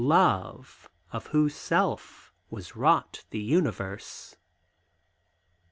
Love, of whose self was wrought the universe!"